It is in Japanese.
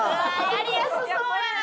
やりやすそうやな！